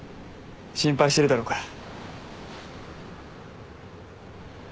心配してるだろうから。